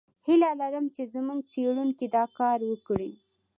هیله لرم چې زموږ څېړونکي دا کار وکړي.